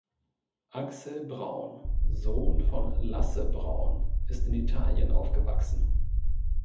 Axel Braun, Sohn von Lasse Braun, ist in Italien aufgewachsen.